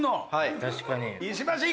確かに。